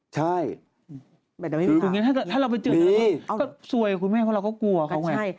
ใช่ถ้าเราไปเจอกันก็ซวยคุณแม่เพราะเราก็กลัวเขาไง